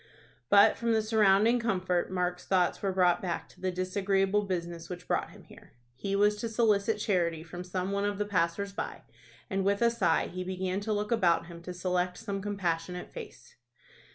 But from the surrounding comfort Mark's thoughts were brought back to the disagreeable business which brought him here. He was to solicit charity from some one of the passers by, and with a sigh he began to look about him to select some compassionate face.